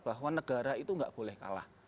bahwa negara itu tidak boleh kalah